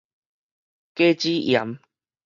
果子鹽